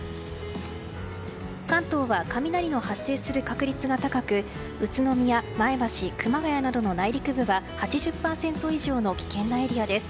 関東は雷の発生する確率が高く宇都宮、前橋、熊谷などの内陸部は８０％以上の危険なエリアです。